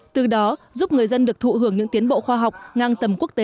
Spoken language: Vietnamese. từ đó giúp người dân được thụ hưởng những tiến bộ khoa học ngang tầm